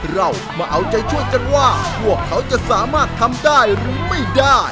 เรามาเอาใจช่วยกันว่าพวกเขาจะสามารถทำได้หรือไม่ได้